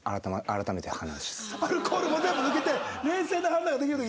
アルコールも全部抜けて冷静な判断ができる時に。